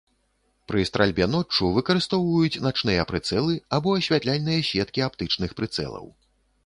Пры стральбе ноччу выкарыстоўваюць начныя прыцэлы або асвятляльныя сеткі аптычных прыцэлаў.